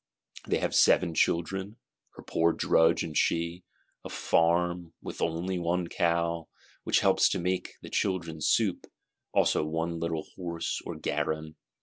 They have seven children, her poor drudge and she: a farm, with one cow, which helps to make the children soup; also one little horse, or garron.